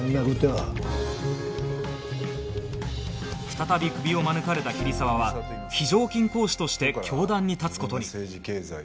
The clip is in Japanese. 再びクビを免れた桐沢は非常勤講師として教壇に立つ事に